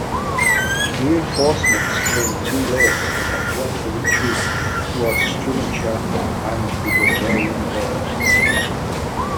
Reinforcements came too late and joined the retreat towards Strumica and the Bulgarian border.